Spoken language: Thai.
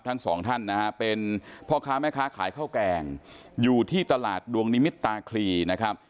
ทั้งสองท่านนะฮะเป็นพ่อค้าแม่ค้าขายข้าวแกงอยู่ที่ตลาดดวงนิมิตตาคลีนะครับ